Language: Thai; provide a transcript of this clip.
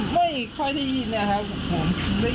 ไม่ค่อยได้ยินนะครับผม